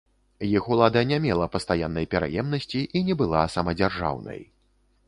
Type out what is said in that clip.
Іх улада не мела пастаяннай пераемнасці і не была самадзяржаўнай.